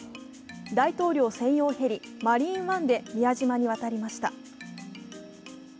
大統領専用ヘリ、マリーンワンで宮島に渡りました。